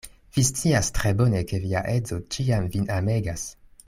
Vi scias tre bone, ke via edzo ĉiam vin amegas.